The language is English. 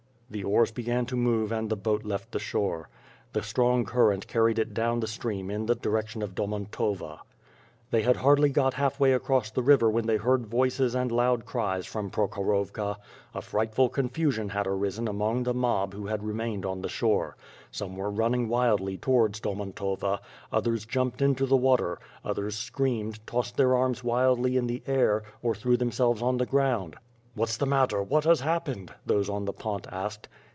The oars began to move and the boat left the shore. The Sitrong current carried it down the stream in the direction of Domontova. They had hardly got half w^ay across the river when they heard voices and loud cries from Prokhorovka. A frightful confusion had arisen among the mob who had remained on the shore. Some were running wildly towards Domomtova, others jumped into the water; others screamed, tossed their arms wildly in the air, or threw themselves on the ground. "What's the matter? What has happened?" those on the pont asked.